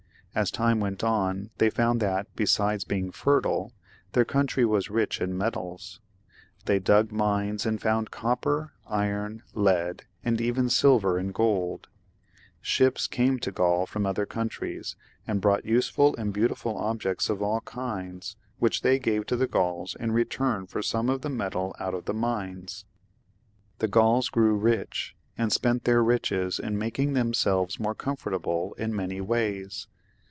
As time went on, they found that besides being fertile, their country was rich in metals; they dug mines and found copper, iron, lead, and even silver and gold. Ships came to Gaul from other countries, and brought useful and beautiful objects of aU kinds, which they gave to the Gnuls in return for some of the metal out of the mines. The Gauls grew rich, and spent their riches in making themselves more comfortable in many ways.